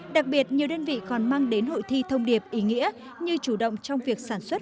đặc biệt nhiều đơn vị còn mang đến hội thi thông điệp ý nghĩa như chủ động trong việc sản xuất